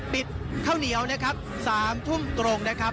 ข้าวเหนียวนะครับ๓ทุ่มตรงนะครับ